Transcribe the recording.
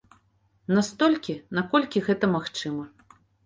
Настолькі, наколькі гэта магчыма.